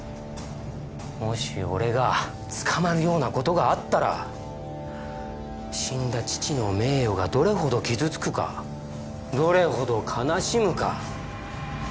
もし俺が捕まるような事があったら死んだ父の名誉がどれほど傷つくかどれほど悲しむか。